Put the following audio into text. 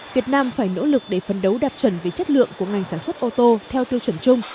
việt nam phải nỗ lực để phấn đấu đạt chuẩn về chất lượng của ngành sản xuất ô tô theo tiêu chuẩn chung